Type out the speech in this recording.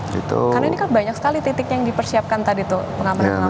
karena ini kan banyak sekali titik yang dipersiapkan tadi tuh pengamanan pengamanan ini